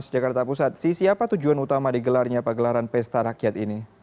si agar bisa berhasil menurut pelakat perhubungan tersebut